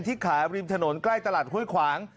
ที่ขายริมถนนใกล้ตลาดห้วยขวาง